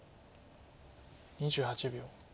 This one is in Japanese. ２８秒。